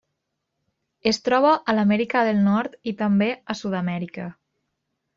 Es troba a l'Amèrica del Nord i també a Sud-amèrica.